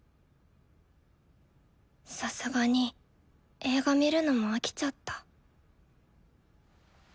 さすがに映画見るのも飽きちゃった。